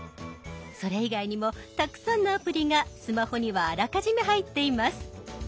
それ以外にもたくさんのアプリがスマホにはあらかじめ入っています。